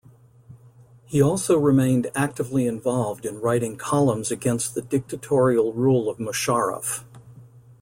He also remained actively involved in writing columns against the dictatorial rule of Musharraf.